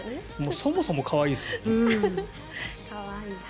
そもそもが可愛いです。